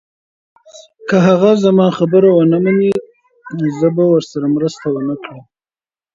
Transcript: که هغه زما خبره ونه مني، زه به ورسره مرسته ونه کړم.